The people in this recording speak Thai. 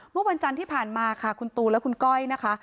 เมื่อวันจันทร์ที่ผ่านมาค่ะคุณตูนและคุณก้อยนะคะ